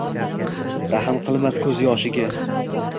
Rahm qilmas ko‘z yoshiga